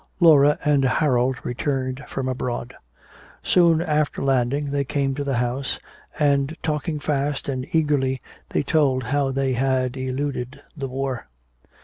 Laura and Harold returned from abroad. Soon after landing they came to the house, and talking fast and eagerly they told how they had eluded the war.